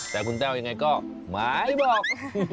แต่คุณแต้วยังไงก็หมายบอก